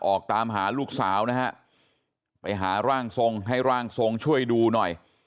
ออกตามหาลูกสาวนะฮะไปหาร่างทรงให้ร่างทรงช่วยดูหน่อย